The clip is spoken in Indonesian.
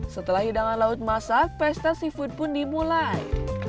setelah hidangan laut masak pesta seafood pun dimulai